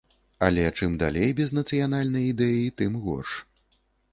Але, чым далей без нацыянальнай ідэі, тым горш.